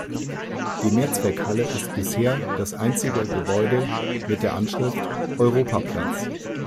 Die Mehrzweckhalle ist bisher das einzige Gebäude mit der Anschrift Europaplatz.